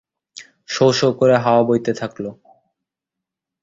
শো-শোঁ করে হাওয়া বইতে থাকল।